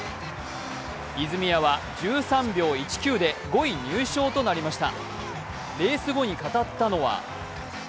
泉谷は１３秒１９で５位入賞となりました。